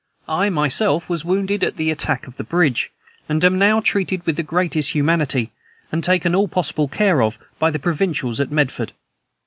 I myself was wounded at the attack of the bridge, and am now treated with the greatest humanity, and taken all possible care of by the provincials at Medford.